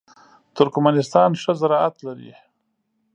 ترکمنستان ښه زراعت لري.